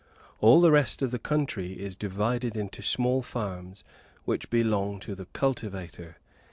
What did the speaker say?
All the rest of the country is divided into small farms, which belong to the cultivator.